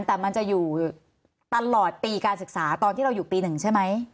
แต่มันจะอยู่ตลอดปีการศึกษาตอนที่เราอยู่ปี๑ใช่ไหม